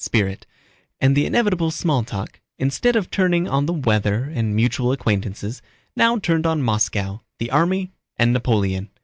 spirit, and the inevitable small talk, instead of turning on the weather and mutual acquaintances, now turned on Moscow, the army, and Napoleon.